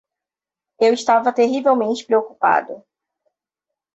Eu estava terrivelmente preocupado.